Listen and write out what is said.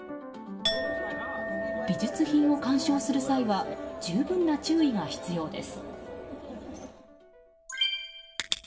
美術品を鑑賞する際は十分な注意が必要です。